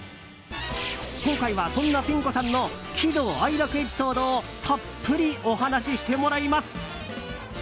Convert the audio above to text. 今回は、そんなピン子さんの喜怒哀楽エピソードをたっぷりお話ししてもらいます。